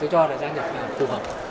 tôi cho là gia nhập này phù hợp